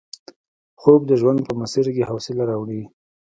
خوب د ژوند په مسیر کې حوصله راوړي